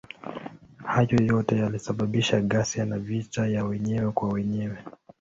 Hayo yote yalisababisha ghasia na vita ya wenyewe kwa wenyewe.